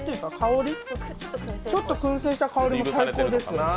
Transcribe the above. ちょっとくん製した香りも最高ですね。